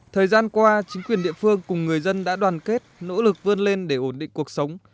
thời gian qua chính quyền địa phương cùng người dân đã đoàn kết nỗ lực vươn lên để ổn định cuộc sống